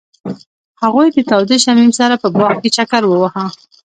هغوی د تاوده شمیم سره په باغ کې چکر وواهه.